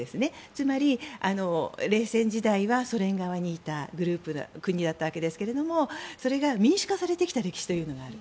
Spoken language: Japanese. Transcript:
つまり、冷戦時代はソ連側にいた国だったわけですがそれが民主化されてきた歴史というのがある。